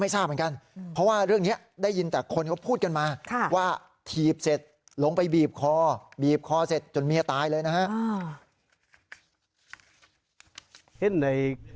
ถีบเสร็จลงไปบีบคอบีบคอเสร็จจนเมียตายเลยนะฮะ